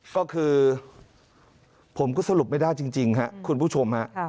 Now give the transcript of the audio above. ก็คือผมก็สรุปไม่ได้จริงครับคุณผู้ชมฮะ